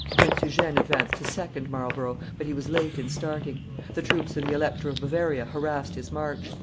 Prince Eugene advanced to second Marlborough, but he was late in starting; the troops of the Elector of Bavaria harassed his march.